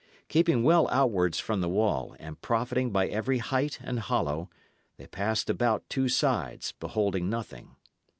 Keeping well outwards from the wall, and profiting by every height and hollow, they passed about two sides, beholding nothing.